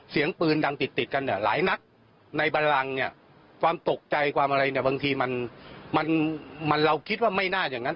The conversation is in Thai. เสียงปืนดังติดกันหลายนักในบรรลังความตกใจความอะไรบางทีเราคิดว่าไม่น่าอย่างนั้น